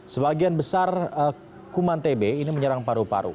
sebagian besar kuman tb ini menyerang paru paru